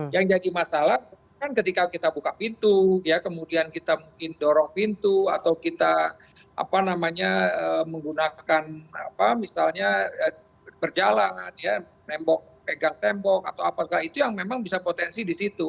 yang jadi masalah kan ketika kita buka pintu ya kemudian kita mungkin dorong pintu atau kita apa namanya menggunakan apa misalnya berjalan ya nembok pegang tembok atau apakah itu yang memang bisa potensi di situ